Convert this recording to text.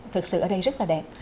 thực sự ở đây rất là đẹp